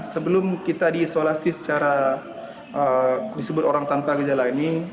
sebelum kita diisolasi secara disebut orang tanpa gejala ini